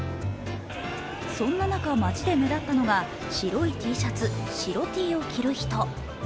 そんな中、街で目立ったのが白いＴシャツ、白Ｔを着る人。